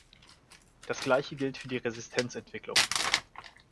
Das Gleiche gilt für die Resistenzentwicklung.